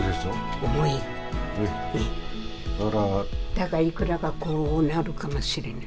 だからいくらかこうなるかもしれない。